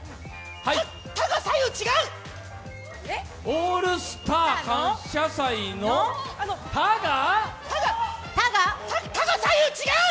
「オールスター感謝祭」の「タ」が左右違う！